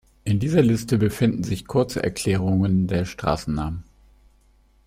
In dieser Liste befinden sich kurze Erklärungen der Straßennamen.